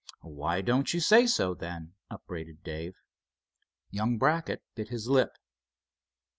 "Why don't you say so, then," upbraided Dave. Young Brackett bit his lip.